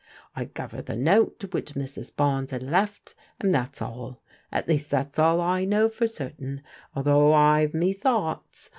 I guv her the note which Mrs. Bames had left, and that's all : at least that's all I know for certain, although I've me thoughts.